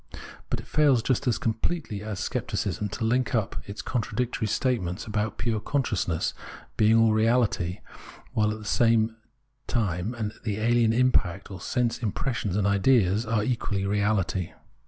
But it fails just as completely as scepticism to hnk up its contradictory statements about pure consciousness being all reality, while all the time the ahen impact, or sense impressions and ideas, are equally reality.